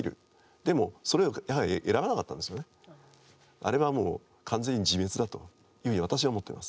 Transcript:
あれはもう完全に自滅だというふうに私は思っています。